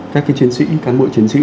các cái chiến sĩ cán bộ chiến sĩ